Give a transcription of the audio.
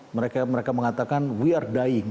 mereka mengatakan we are diing